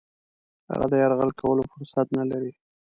هغه د یرغل کولو فرصت نه لري.